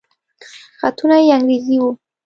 خطونه يې انګريزي وو.